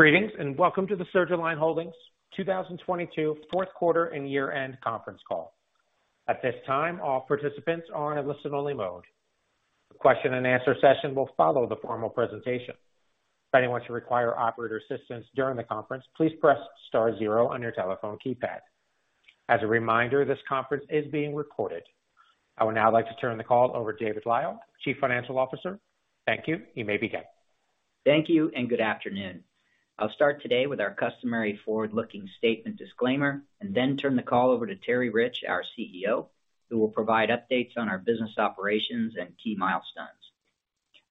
Greetings, welcome to the Surgalign Holdings 2022 Fourth Quarter and Year-End Conference Call. At this time, all participants are in listen only mode. The question-and-answer session will follow the formal presentation. If anyone should require operator assistance during the conference, please press star zero on your telephone keypad. As a reminder, this conference is being recorded. I would now like to turn the call over to David Lyle, Chief Financial Officer. Thank you. You may begin. Thank you and good afternoon. I'll start today with our customary forward-looking statement disclaimer, and then turn the call over to Terry Rich, our CEO, who will provide updates on our business operations and key milestones.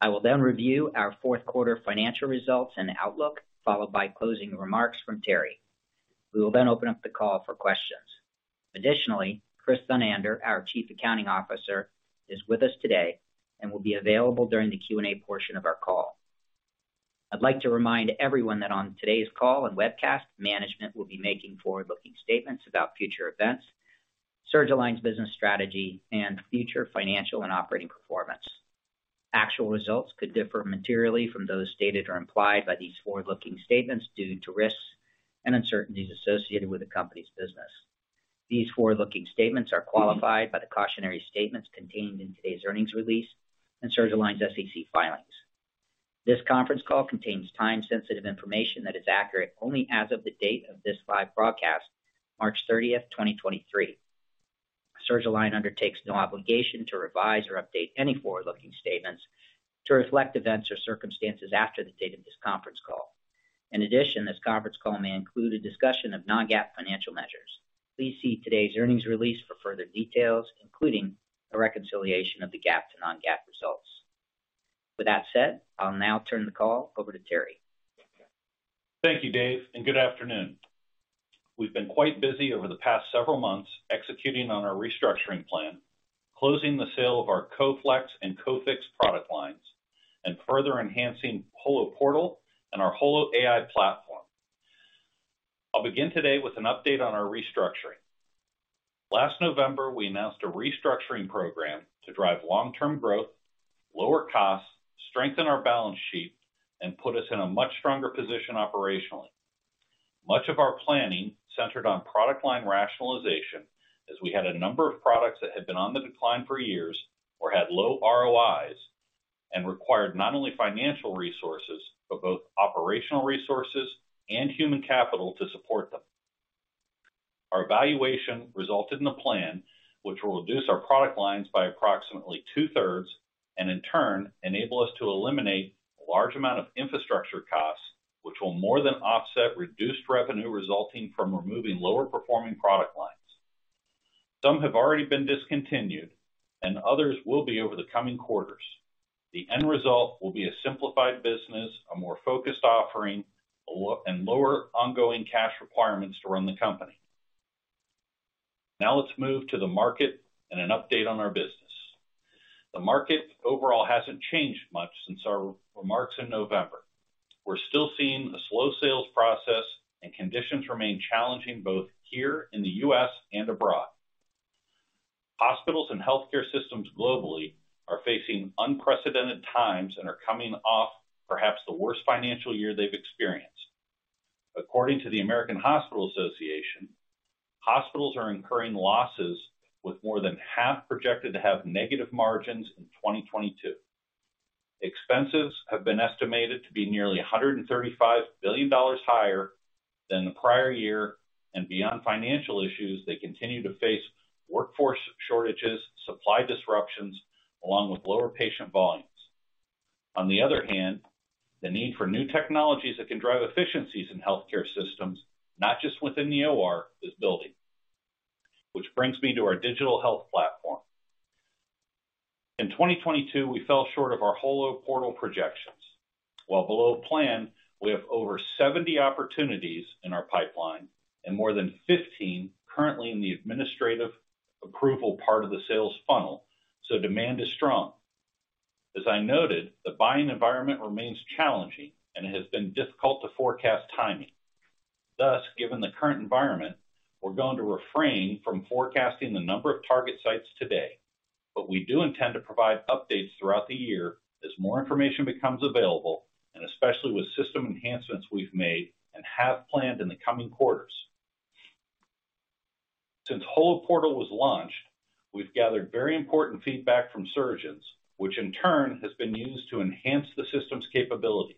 I will then review our fourth quarter financial results and outlook, followed by closing remarks from Terry. We will then open up the call for questions. Additionally, Chris Thunander, our Chief Accounting Officer, is with us today and will be available during the Q&A portion of our call. I'd like to remind everyone that on today's call and webcast, management will be making forward-looking statements about future events, Surgalign's business strategy, and future financial and operating performance. Actual results could differ materially from those stated or implied by these forward-looking statements due to risks and uncertainties associated with the company's business. These forward-looking statements are qualified by the cautionary statements contained in today's earnings release and Surgalign's SEC filings. This conference call contains time-sensitive information that is accurate only as of the date of this live broadcast, March 30th, 2023. Surgalign undertakes no obligation to revise or update any forward-looking statements to reflect events or circumstances after the date of this conference call. In addition, this conference call may include a discussion of non-GAAP financial measures. Please see today's earnings release for further details, including a reconciliation of the GAAP to non-GAAP results. With that said, I'll now turn the call over to Terry. Thank you, Dave. Good afternoon. We've been quite busy over the past several months executing on our restructuring plan, closing the sale of our Coflex and Cofix product lines, and further enhancing HOLO Portal and our HOLO AI platform. I'll begin today with an update on our restructuring. Last November, we announced a restructuring program to drive long-term growth, lower costs, strengthen our balance sheet, and put us in a much stronger position operationally. Much of our planning centered on product line rationalization as we had a number of products that had been on the decline for years or had low ROIs and required not only financial resources, but both operational resources and human capital to support them. Our evaluation resulted in a plan which will reduce our product lines by approximately 2/3, and in turn enable us to eliminate a large amount of infrastructure costs, which will more than offset reduced revenue resulting from removing lower performing product lines. Some have already been discontinued and others will be over the coming quarters. The end result will be a simplified business, a more focused offering, and lower ongoing cash requirements to run the company. Now let's move to the market and an update on our business. The market overall hasn't changed much since our remarks in November. We're still seeing a slow sales process and conditions remain challenging both here in the U.S. and abroad. Hospitals and healthcare systems globally are facing unprecedented times and are coming off perhaps the worst financial year they've experienced. According to the American Hospital Association, hospitals are incurring losses with more than half projected to have negative margins in 2022. Expenses have been estimated to be nearly $135 billion higher than the prior year. Beyond financial issues, they continue to face workforce shortages, supply disruptions, along with lower patient volumes. On the other hand, the need for new technologies that can drive efficiencies in healthcare systems, not just within the OR, is building. Which brings me to our digital health platform. In 2022, we fell short of our HOLO Portal projections. While below plan, we have over 70 opportunities in our pipeline and more than 15 currently in the administrative approval part of the sales funnel. Demand is strong. As I noted, the buying environment remains challenging and it has been difficult to forecast timing. Given the current environment, we're going to refrain from forecasting the number of target sites today. We do intend to provide updates throughout the year as more information becomes available, and especially with system enhancements we've made and have planned in the coming quarters. Since HOLO Portal was launched, we've gathered very important feedback from surgeons, which in turn has been used to enhance the system's capabilities.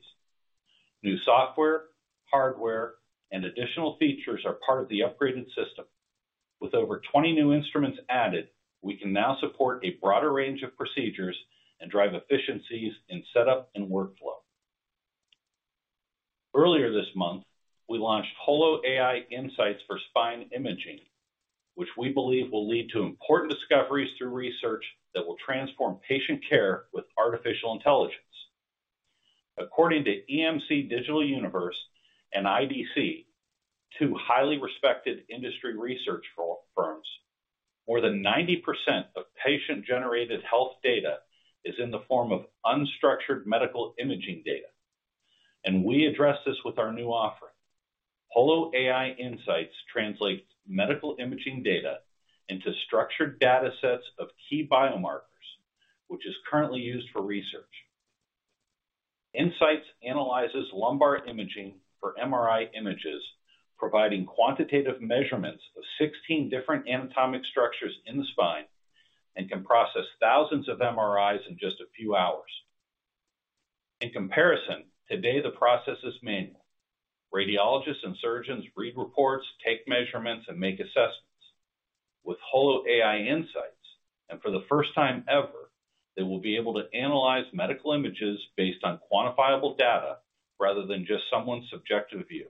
New software, hardware, and additional features are part of the upgraded system. With over 20 new instruments added, we can now support a broader range of procedures and drive efficiencies in setup and workflow. Earlier this month, we launched HOLO AI Insights for spine imaging, which we believe will lead to important discoveries through research that will transform patient care with artificial intelligence. According to EMC Digital Universe and IDC, two highly respected industry research for firms, more than 90% of patient-generated health data is in the form of unstructured medical imaging data, and we address this with our new offering. HOLO AI Insights translates medical imaging data into structured data sets of key biomarkers, which is currently used for research. Insights analyzes lumbar imaging for MRI images, providing quantitative measurements of 16 different anatomic structures in the spine and can process thousands of MRIs in just a few hours. In comparison, today, the process is manual. Radiologists and surgeons read reports, take measurements, and make assessments. With HOLO AI Insights, and for the first time ever, they will be able to analyze medical images based on quantifiable data rather than just someone's subjective view.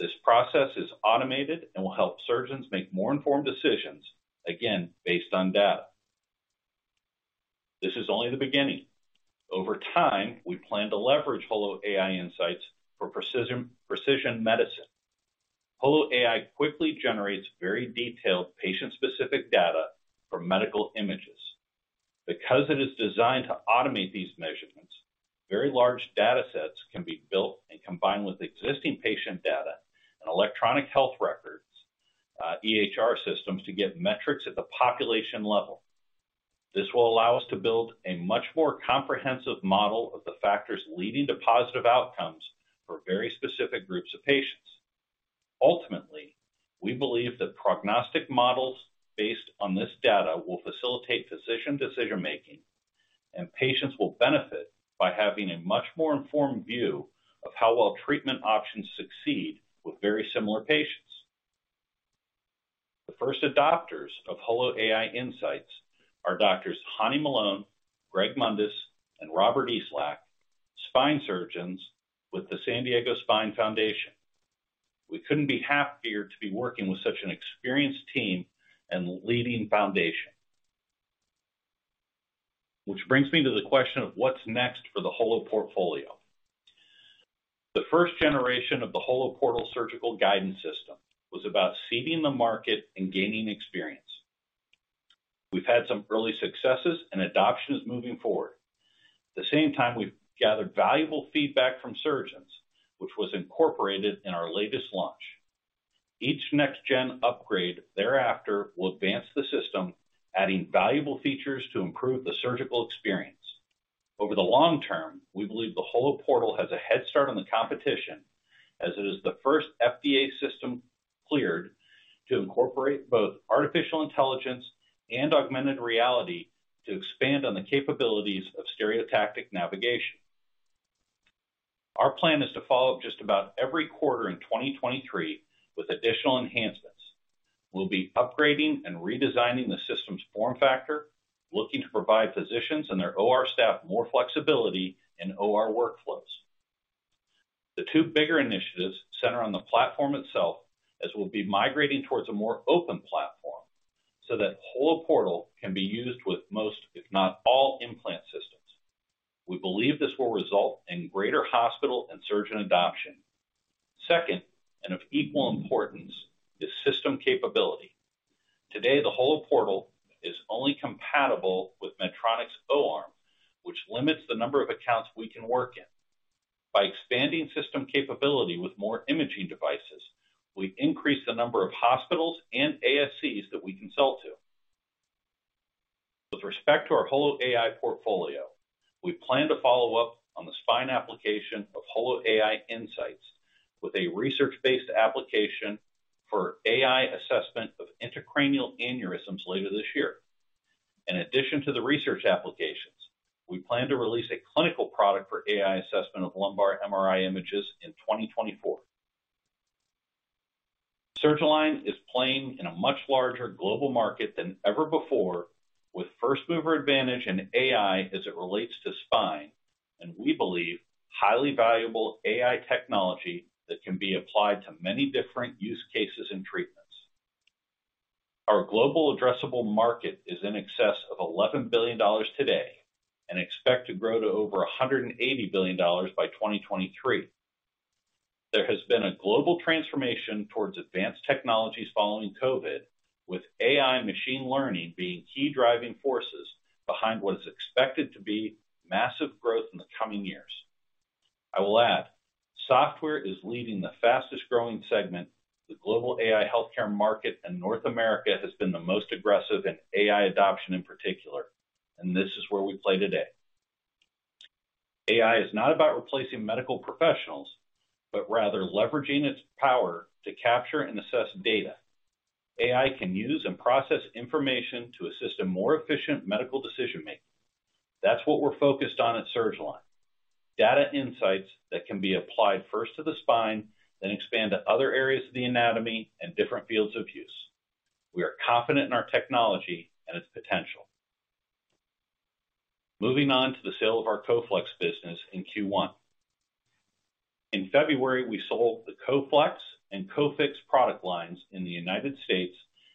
This process is automated and will help surgeons make more informed decisions, again, based on data. This is only the beginning. Over time, we plan to leverage HOLO AI Insights for precision medicine. HOLO AI quickly generates very detailed patient-specific data from medical images. Because it is designed to automate these measurements, very large data sets can be built and combined with existing patient data and electronic health records, EHR systems, to get metrics at the population level. This will allow us to build a much more comprehensive model of the factors leading to positive outcomes for very specific groups of patients. Ultimately, we believe that prognostic models based on this data will facilitate physician decision-making, and patients will benefit by having a much more informed view of how well treatment options succeed with very similar patients. The first adopters of HOLO AI Insights are doctors Hani Malone, Gregory Mundis, and Robert Eastlack, spine surgeons with the San Diego Spine Foundation. We couldn't be happier to be working with such an experienced team and leading foundation. Which brings me to the question of what's next for the HOLO portfolio. The first generation of the HOLO Portal Surgical Guidance System was about seeding the market and gaining experience. We've had some early successes, and adoption is moving forward. At the same time, we've gathered valuable feedback from surgeons, which was incorporated in our latest launch. Each next gen upgrade thereafter will advance the system, adding valuable features to improve the surgical experience. Over the long term, we believe the HOLO Portal has a head start on the competition as it is the first FDA system cleared to incorporate both artificial intelligence and augmented reality to expand on the capabilities of stereotactic navigation. Our plan is to follow up just about every quarter in 2023 with additional enhancements. We'll be upgrading and redesigning the system's form factor, looking to provide physicians and their OR staff more flexibility in OR workflows. The two bigger initiatives center on the platform itself, as we'll be migrating towards a more open platform so that HOLO Portal can be used with most, if not all, implant systems. We believe this will result in greater hospital and surgeon adoption. Second, of equal importance, is system capability. Today, the HOLO Portal is only compatible with Medtronic's O-arm, which limits the number of accounts we can work in. By expanding system capability with more imaging devices, we increase the number of hospitals and ASCs that we can sell to. With respect to our HOLO AI portfolio, we plan to follow up on the spine application of HOLO AI Insights with a research-based application for AI assessment of intracranial aneurysms later this year. In addition to the research applications, we plan to release a clinical product for AI assessment of lumbar MRI images in 2024. Surgalign is playing in a much larger global market than ever before with first-mover advantage in AI as it relates to spine, and we believe highly valuable AI technology that can be applied to many different use cases and treatments. Our global addressable market is in excess of $11 billion today and expect to grow to over $180 billion by 2023. There has been a global transformation towards advanced technologies following COVID, with AI machine learning being key driving forces behind what is expected to be massive growth in the coming years. I will add, software is leading the fastest-growing segment, the global AI healthcare market, and North America has been the most aggressive in AI adoption in particular, and this is where we play today. AI is not about replacing medical professionals, but rather leveraging its power to capture and assess data. AI can use and process information to assist in more efficient medical decision-making. That's what we're focused on at Surgalign. Data insights that can be applied first to the spine, then expand to other areas of the anatomy and different fields of use. We are confident in our technology and its potential. Moving on to the sale of our Coflex business in Q1. In February, we sold the Coflex and Cofix product lines in the United States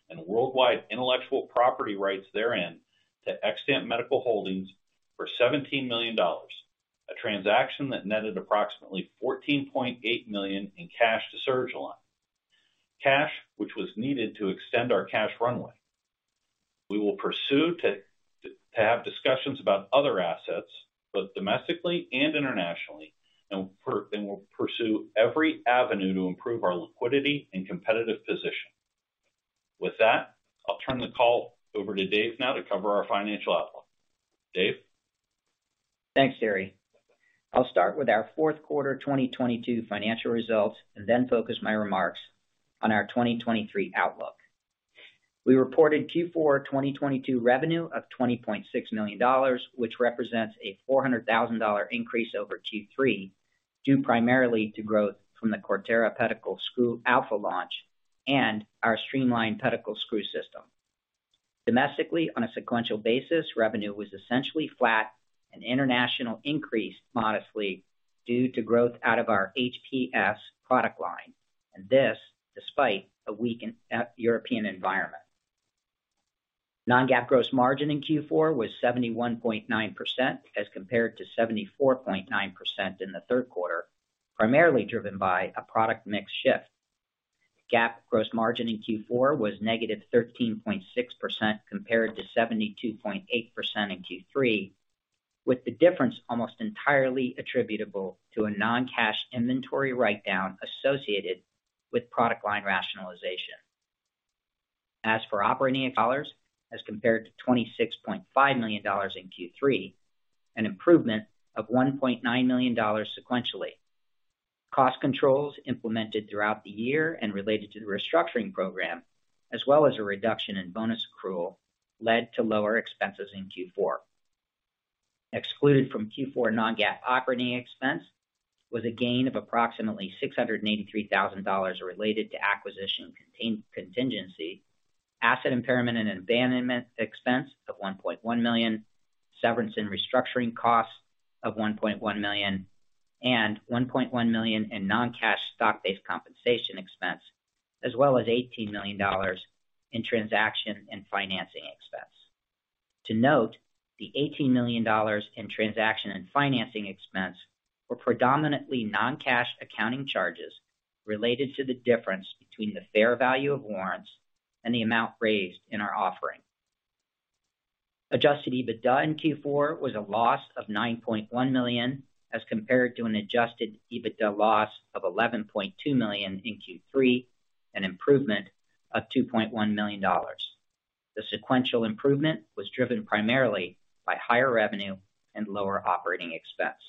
and worldwide intellectual property rights therein to Xtant Medical Holdings for $17 million, a transaction that netted approximately $14.8 million in cash to Surgalign. Cash, which was needed to extend our cash runway. We will pursue to have discussions about other assets, both domestically and internationally. We'll pursue every avenue to improve our liquidity and competitive position. With that, I'll turn the call over to Dave now to cover our financial outlook. Dave? Thanks, Terry. I'll start with our fourth quarter 2022 financial results and then focus my remarks on our 2023 outlook. We reported Q4 2022 revenue of $20.6 million, which represents a $400,000 increase over Q3, due primarily to growth from the Cortera pedicle screw Alpha launch and our streamlined pedicle screw system. Domestically, on a sequential basis, revenue was essentially flat and international increased modestly due to growth out of our HPS product line, this despite a weakened European environment. Non-GAAP gross margin in Q4 was 71.9% as compared to 74.9% in the third quarter, primarily driven by a product mix shift. GAAP gross margin in Q4 was -13.6% compared to 72.8% in Q3, with the difference almost entirely attributable to a non-cash inventory write-down associated with product line rationalization. Operating dollars as compared to $26.5 million in Q3, an improvement of $1.9 million sequentially. Cost controls implemented throughout the year and related to the restructuring program, as well as a reduction in bonus accrual, led to lower expenses in Q4. Excluded from Q4 non-GAAP operating expense was a gain of approximately $683,000 related to acquisition contingency, asset impairment and abandonment expense of $1.1 million, severance and restructuring costs of $1.1 million, and $1.1 million in non-cash stock-based compensation expense, as well as $18 million in transaction and financing expense. To note, the $18 million in transaction and financing expense were predominantly non-cash accounting charges related to the difference between the fair value of warrants and the amount raised in our offering. Adjusted EBITDA in Q4 was a loss of $9.1 million, as compared to an Adjusted EBITDA loss of $11.2 million in Q3, an improvement of $2.1 million. The sequential improvement was driven primarily by higher revenue and lower operating expense.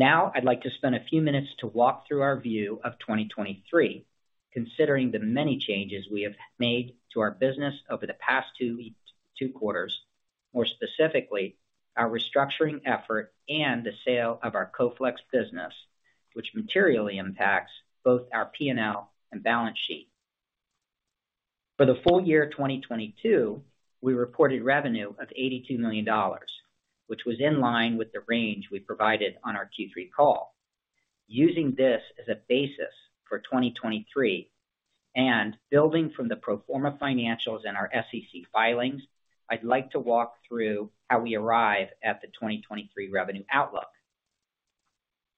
I'd like to spend a few minutes to walk through our view of 2023, considering the many changes we have made to our business over the past two quarters, more specifically, our restructuring effort and the sale of our Coflex business, which materially impacts both our P&L and balance sheet. For the full year 2022, we reported revenue of $82 million, which was in line with the range we provided on our Q3 call. Using this as a basis for 2023 and building from the pro forma financials in our SEC filings, I'd like to walk through how we arrive at the 2023 revenue outlook.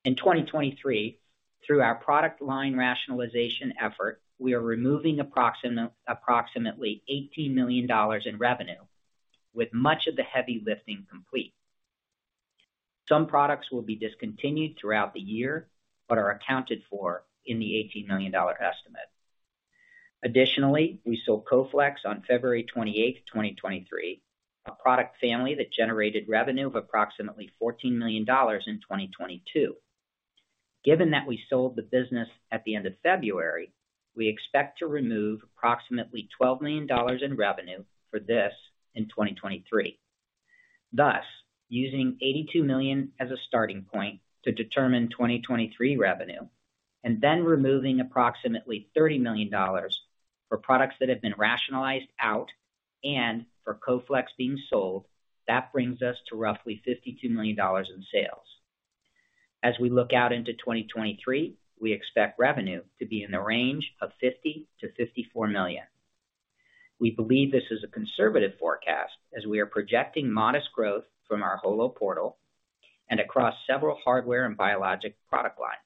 In 2023, through our product line rationalization effort, we are removing approximately $18 million in revenue, with much of the heavy lifting complete. Some products will be discontinued throughout the year, but are accounted for in the $18 million estimate. Additionally, we sold Coflex on February 28, 2023, a product family that generated revenue of approximately $14 million in 2022. Given that we sold the business at the end of February, we expect to remove approximately $12 million in revenue for this in 2023. Using $82 million as a starting point to determine 2023 revenue and then removing approximately $30 million for products that have been rationalized out and for Coflex being sold, that brings us to roughly $52 million in sales. As we look out into 2023, we expect revenue to be in the range of $50 million-$54 million. We believe this is a conservative forecast as we are projecting modest growth from our HOLO Portal and across several hardware and biologic product lines.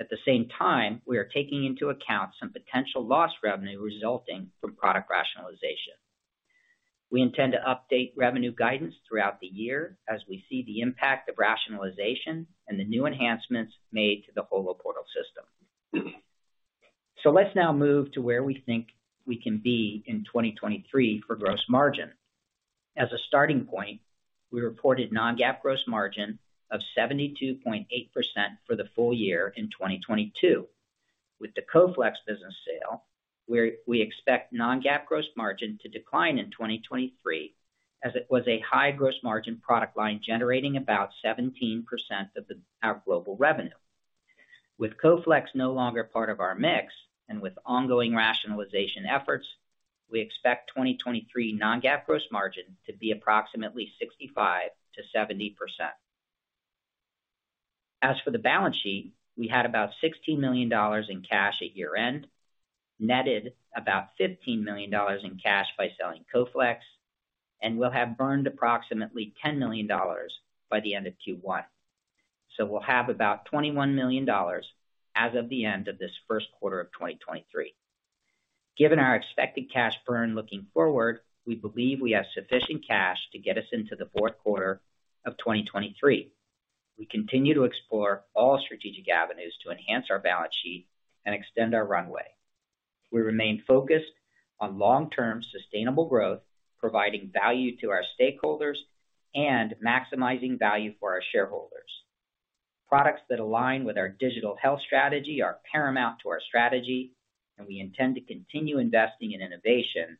At the same time, we are taking into account some potential lost revenue resulting from product rationalization. We intend to update revenue guidance throughout the year as we see the impact of rationalization and the new enhancements made to the HOLO Portal system. Let's now move to where we think we can be in 2023 for gross margin. As a starting point, we reported non-GAAP gross margin of 72.8% for the full year in 2022. With the Coflex business sale, we expect non-GAAP gross margin to decline in 2023 as it was a high gross margin product line generating about 17% of the, our global revenue. With Coflex no longer part of our mix and with ongoing rationalization efforts, we expect 2023 non-GAAP gross margin to be approximately 65%-70%. As for the balance sheet, we had about $16 million in cash at year-end, netted about $15 million in cash by selling Coflex, and we'll have burned approximately $10 million by the end of Q1. We'll have about $21 million as of the end of this first quarter of 2023. Given our expected cash burn looking forward, we believe we have sufficient cash to get us into the fourth quarter of 2023. We continue to explore all strategic avenues to enhance our balance sheet and extend our runway. We remain focused on long-term sustainable growth, providing value to our stakeholders and maximizing value for our shareholders. Products that align with our digital health strategy are paramount to our strategy, and we intend to continue investing in innovation,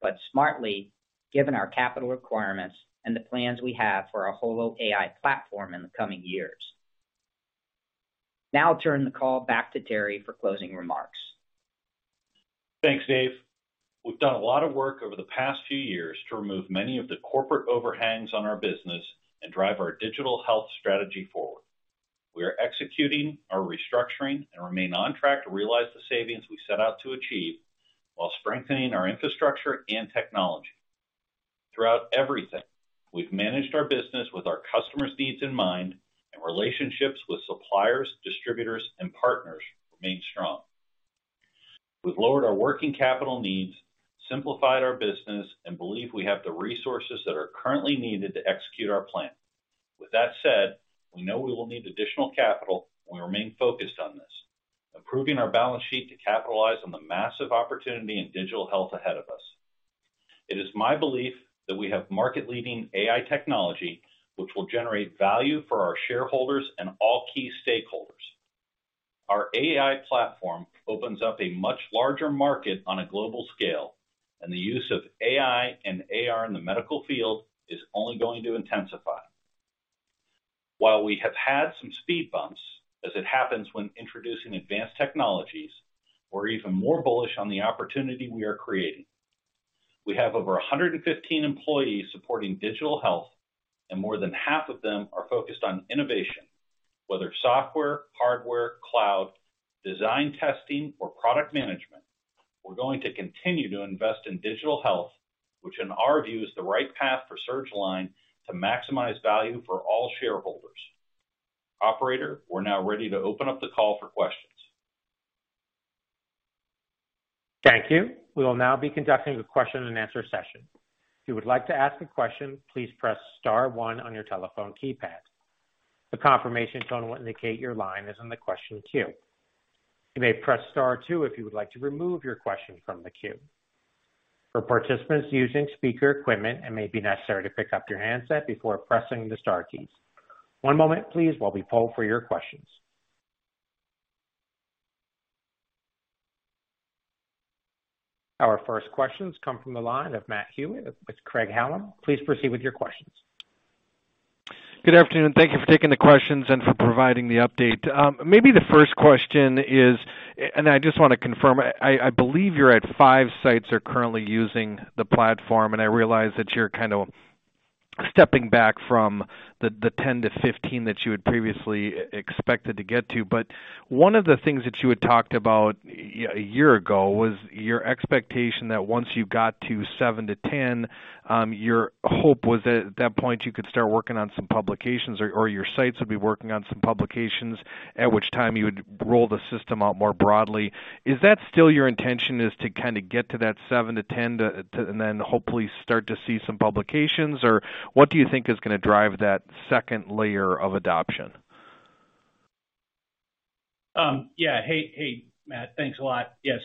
but smartly given our capital requirements and the plans we have for our HOLO AI platform in the coming years. Now I'll turn the call back to Terry for closing remarks. Thanks, David. We've done a lot of work over the past few years to remove many of the corporate overhangs on our business and drive our digital health strategy forward. We are executing our restructuring and remain on track to realize the savings we set out to achieve while strengthening our infrastructure and technology. Throughout everything, we've managed our business with our customers' needs in mind and relationships with suppliers, distributors, and partners remain strong. We've lowered our working capital needs, simplified our business, and believe we have the resources that are currently needed to execute our plan. With that said, we know we will need additional capital, and we remain focused on this, improving our balance sheet to capitalize on the massive opportunity in digital health ahead of us. It is my belief that we have market-leading AI technology, which will generate value for our shareholders and all key stakeholders. Our AI platform opens up a much larger market on a global scale. The use of AI and AR in the medical field is only going to intensify. While we have had some speed bumps, as it happens when introducing advanced technologies, we're even more bullish on the opportunity we are creating. We have over 115 employees supporting digital health. More than half of them are focused on innovation, whether software, hardware, cloud, design testing, or product management. We're going to continue to invest in digital health, which in our view is the right path for Surgalign to maximize value for all shareholders. Operator, we're now ready to open up the call for questions. Thank you. We will now be conducting the question-and-answer session. If you would like to ask a question, please press star one on your telephone keypad. The confirmation tone will indicate your line is in the question queue. You may press star two if you would like to remove your question from the queue. For participants using speaker equipment, it may be necessary to pick up your handset before pressing the star keys. One moment please while we poll for your questions. Our first questions come from the line of Matthew Hewitt with Craig-Hallum. Please proceed with your questions. Good afternoon. Thank you for taking the questions and for providing the update. Maybe the first question is, and I just want to confirm, I believe you're at five sites are currently using the platform, and I realize that you're kind of stepping back from the 10-15 that you had previously expected to get to. One of the things that you had talked about a year ago was your expectation that once you got to 7-10, your hope was that at that point you could start working on some publications or your sites would be working on some publications, at which time you would roll the system out more broadly. Is that still your intention, is to kind of get to that 7-10 to hopefully start to see some publications? What do you think is going to drive that second layer of adoption? Yeah. Hey, Matt. Thanks a lot. Yeah.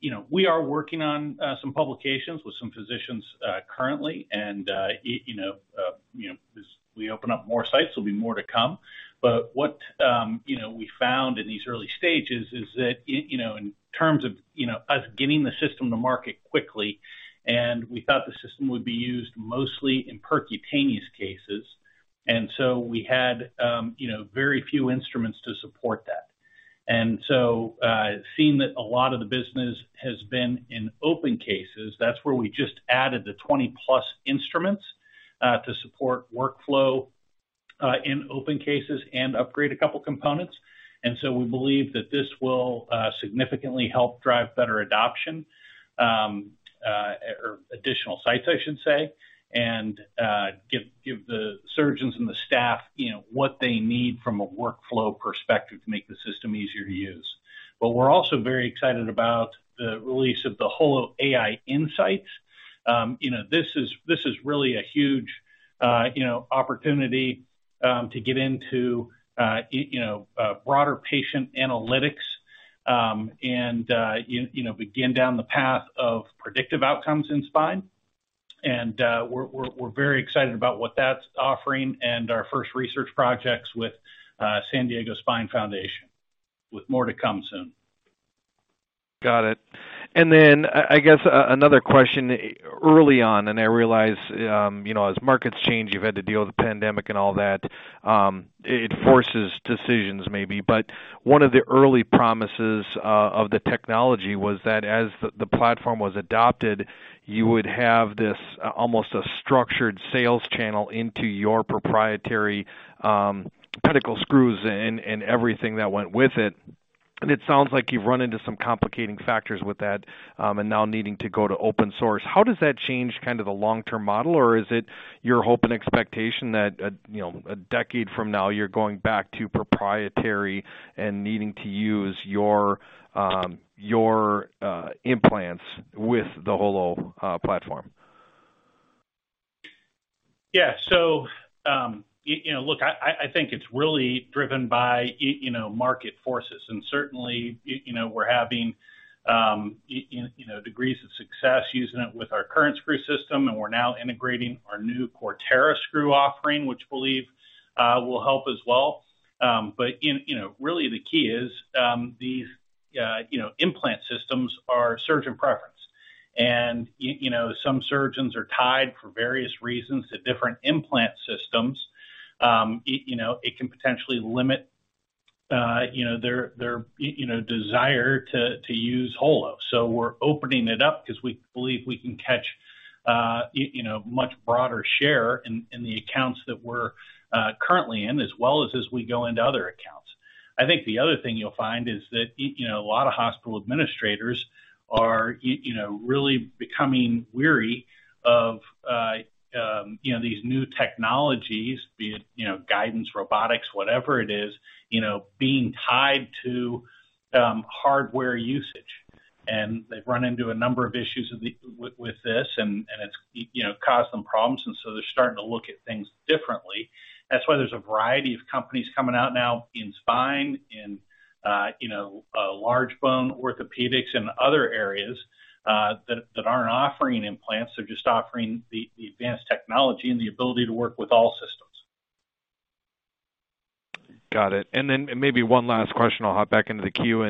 You know, we are working on some publications with some physicians currently, and you know, as we open up more sites, there'll be more to come. What, you know, we found in these early stages is that you know, in terms of, you know, us getting the system to market quickly, and we thought the system would be used mostly in percutaneous cases. We had, you know, very few instruments to support that. Seeing that a lot of the business has been in open cases, that's where we just added the 20+ instruments to support workflow in open cases and upgrade a couple components. We believe that this will significantly help drive better adoption or additional sites, I should say, and give the surgeons and the staff, you know, what they need from a workflow perspective to make the system easier to use. We're also very excited about the release of the HOLO AI Insights. You know, this is really a huge, you know, opportunity to get into, you know, broader patient analytics and begin down the path of predictive outcomes in spine. We're very excited about what that's offering and our first research projects with San Diego Spine Foundation, with more to come soon. Got it. I guess another question. Early on, I realize, you know, as markets change, you've had to deal with the pandemic and all that, it forces decisions maybe. One of the early promises of the technology was that as the platform was adopted, you would have this, almost a structured sales channel into your proprietary, pedicle screws and everything that went with it. It sounds like you've run into some complicating factors with that, and now needing to go to open source. How does that change kind of the long-term model? Is it your hope and expectation that a, you know, one decade from now you're going back to proprietary and needing to use your implants with the HOLO platform? Yeah. You know, look, I think it's really driven by you know, market forces. Certainly, you know, we're having, you know, degrees of success using it with our current screw system, and we're now integrating our new Cortera screw offering, which believe will help as well. You know, really the key is, these, you know, implant systems are surgeon preference. You know, some surgeons are tied for various reasons to different implant systems. It can potentially limit, you know, their, you know, desire to use HOLO. We're opening it up because we believe we can catch, you know, much broader share in the accounts that we're currently in, as well as we go into other accounts. I think the other thing you'll find is that you know, a lot of hospital administrators are, you know, really becoming weary of, you know, these new technologies, be it, you know, guidance, robotics, whatever it is, you know, being tied to hardware usage. They've run into a number of issues with this, and it's, you know, caused some problems, and so they're starting to look at things differently. That's why there's a variety of companies coming out now in spine, in, you know, large bone orthopedics and other areas, that aren't offering implants. They're just offering the advanced technology and the ability to work with all systems. Got it. Then maybe one last question, I'll hop back into the queue.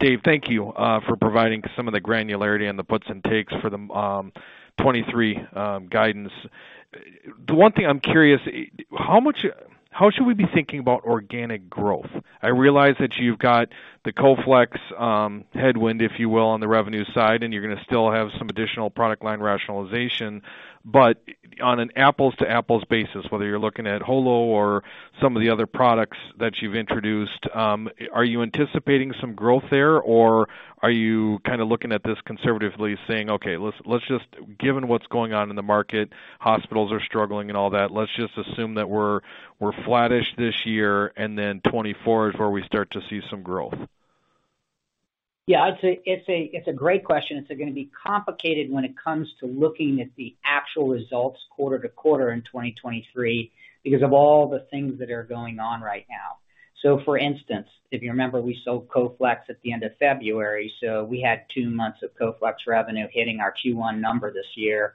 Dave, thank you for providing some of the granularity and the puts and takes for the 2023 guidance. The one thing I'm curious, how should we be thinking about organic growth? I realize that you've got the Coflex headwind, if you will, on the revenue side, and you're gonna still have some additional product line rationalization. On an apples-to-apples basis, whether you're looking at HOLO or some of the other products that you've introduced, are you anticipating some growth there, or are you kind of looking at this conservatively saying, "Okay, let's just...?" Given what's going on in the market, hospitals are struggling and all that, let's just assume that we're flattish this year, and then 2024 is where we start to see some growth? Yeah, it's a great question. It's gonna be complicated when it comes to looking at the actual results quarter to quarter in 2023 because of all the things that are going on right now. For instance, if you remember, we sold Coflex at the end of February, so we had one months of Coflex revenue hitting our Q1 number this year,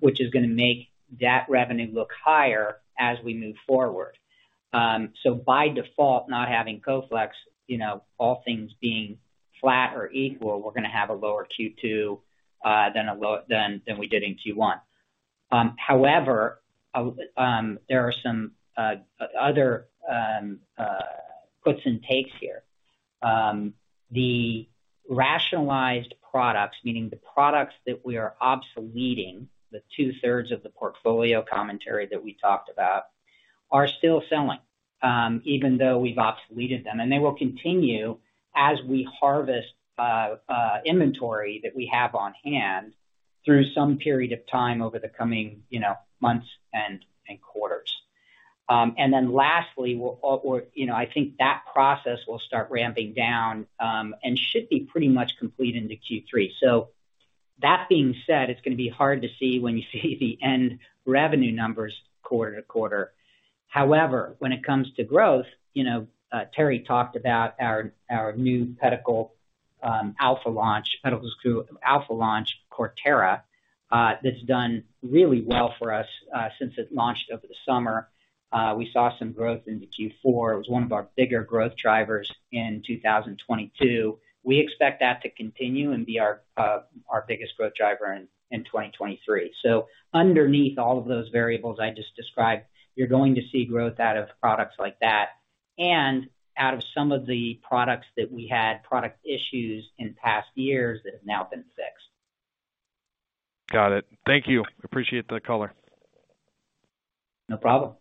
which is gonna make that revenue look higher as we move forward. By default, not having Coflex, you know, all things being flat or equal, we're gonna have a lower Q2 than we did in Q1. However, there are some other puts and takes here. The rationalized products, meaning the products that we are obsoleting, the two-thirds of the portfolio commentary that we talked about, are still selling, even though we've obsoleted them. They will continue as we harvest inventory that we have on hand through some period of time over the coming, you know, months and quarters. Lastly, you know, I think that process will start ramping down and should be pretty much complete into Q3. That being said, it's gonna be hard to see when you see the end revenue numbers quarter-to-quarter. When it comes to growth, you know, Terry talked about our new pedicle Alpha launch, pedicle screw Alpha launch Cortera. That's done really well for us since it launched over the summer. We saw some growth into Q4. It was one of our bigger growth drivers in 2022. We expect that to continue and be our biggest growth driver in 2023. Underneath all of those variables I just described, you're going to see growth out of products like that and out of some of the products that we had product issues in past years that have now been fixed. Got it. Thank you. Appreciate the color. No problem.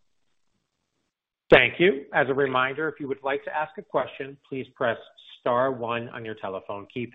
Thank you. As a reminder, if you would like to ask a question, please press star one on your telephone keypad.